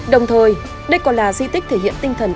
đồng thời đây còn là di tích thể hiện tinh thần